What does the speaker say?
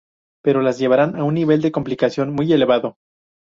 Pero las llevarán a un nivel de complicación muy elevado.